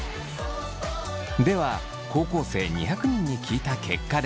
では高校生２００人に聞いた結果です。